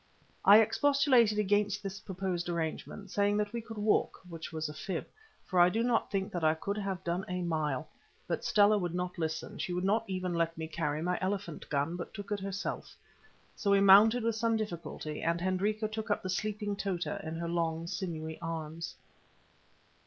I expostulated against this proposed arrangement, saying that we could walk, which was a fib, for I do not think that I could have done a mile; but Stella would not listen, she would not even let me carry my elephant gun, but took it herself. So we mounted with some difficulty, and Hendrika took up the sleeping Tota in her long, sinewy arms.